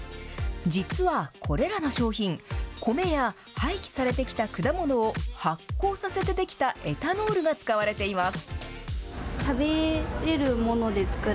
実はこれらの商品、米や廃棄されてきた果物を発酵させて出来たエタノールが使われています。